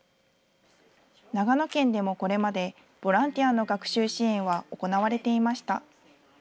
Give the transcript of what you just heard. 長野県でもこれまでボランティアの学習支援は行われていました。